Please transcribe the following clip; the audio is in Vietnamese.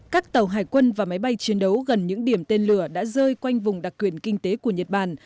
các tàu hải quân và máy bay chiến đấu gần những điểm tên lửa đã rơi quanh vùng đặc quyền kinh tế của nhật bản